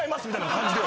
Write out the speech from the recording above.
みたいな感じで。